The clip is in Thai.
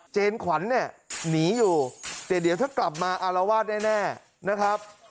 เจนขวัญหนีอยู่แต่เดี๋ยวถ้ากลับมาอารวาสได้แน่นะครับ